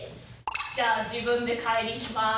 じゃあ自分で買いに行きまーす！